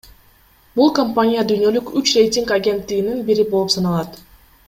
Бул компания дүйнөлүк үч рейтинг агенттигинин бири болуп саналат.